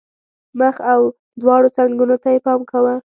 مخ او دواړو څنګونو ته یې پام کاوه.